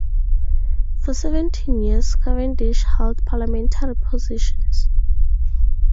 For seventeen years Cavendish held parliamentary positions.